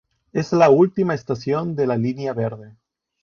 Es la última estación de la Línea Verde.